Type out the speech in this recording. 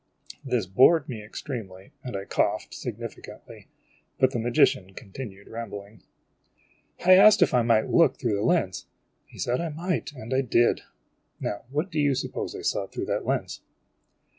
This bored me extremely, and I coughed significantly, but the magician continued rambling: o <~>" I asked if I mio ht look through the lens. He said I micrht, o o *_> and I did. Now what do you suppose I saw through that lens